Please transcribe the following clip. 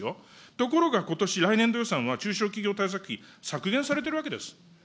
ところがことし、来年度予算は中小企業対策費削減されているわけです。